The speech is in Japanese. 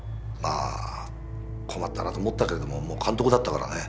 困ったなと思ったけれどももう監督だったからね。